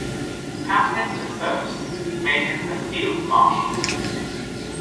Catherine the First made him a field-marshal.